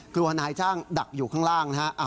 กลัวนายจ้างดักอยู่ข้างล่างนะฮะ